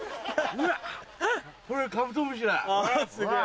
ほらカブトムシだ。